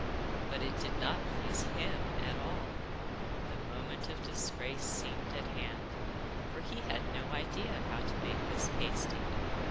But it did not please HIM at all. The moment of disgrace seemed at hand, for he had no idea how to make this pasty.